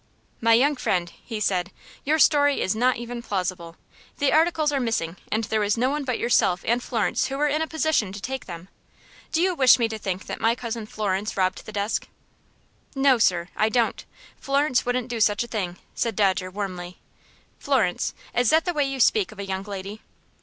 "My young friend," he said, "your story is not even plausible. The articles are missing, and there was no one but yourself and Florence who were in a position to take them. Do you wish me to think that my Cousin Florence robbed the desk?" "No, sir; I don't. Florence wouldn't do such a thing," said Dodger, warmly. "Florence. Is that the way you speak of a young lady?"